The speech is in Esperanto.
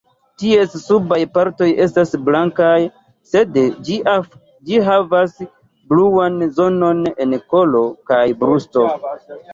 Ties subaj partoj estas blankaj, sed ĝi havas bluan zonon en kolo kaj brusto.